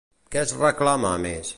Què es reclama a més?